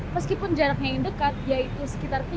meskipun jaraknya yang dekat yaitu sekitar sepuluh tiga puluh